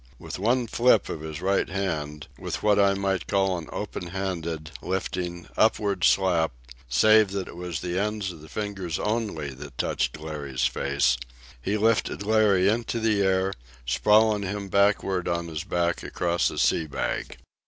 With one flip of his right hand, with what I might call an open handed, lifting, upward slap, save that it was the ends of the fingers only that touched Larry's face, he lifted Larry into the air, sprawling him backward on his back across his sea bag.